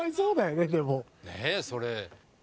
ねえそれ。